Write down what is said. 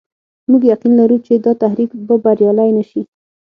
موږ يقين لرو چې دا تحریک به بریالی نه شي.